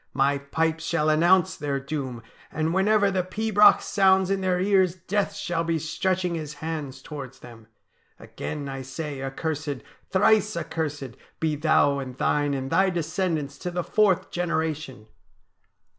My pipes shall announce their doom, and whenever the pibroch sounds in their ears Death shall be stretching his hands towards them. Again I say accursed, thrice accursed, be thou and thine and thy descendants to the fourth generation."